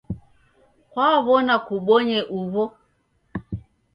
Kwaw'ona kubonye uw'o?